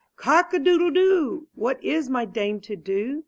Cock a doodle doo ! What is my dame to do?